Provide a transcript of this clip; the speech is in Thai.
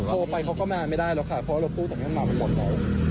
โทรไปเขาก็ไม่อาจไม่ได้หรอกค่ะเพราะรถตู้ตรงนี้มามันหมดแล้ว